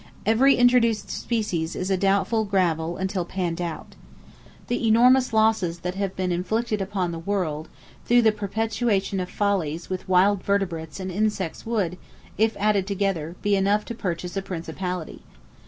Every introduced species is doubtful gravel until panned out. The enormous losses that have been inflicted upon the world through the perpetuation of follies with wild vertebrates and insects would, if added together, be enough to purchase a principality.